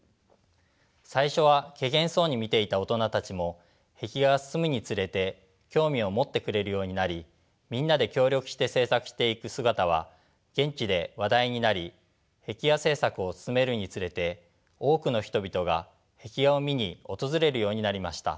最初はけげんそうに見ていた大人たちも壁画が進むにつれて興味を持ってくれるようになりみんなで協力して制作していく姿は現地で話題になり壁画制作を進めるにつれて多くの人々が壁画を見に訪れるようになりました。